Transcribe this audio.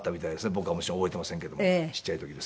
僕はもちろん覚えてませんけどもちっちゃい時ですから。